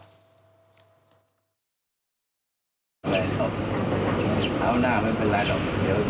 ส่วนความคุ้มกันนะครับ